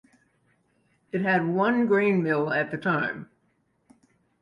It had one grain mill at the time.